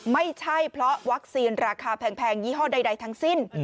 ไม่ใช่เพราะวัคซีนราคาแพงยี่ห้อใดทั้งสิ้น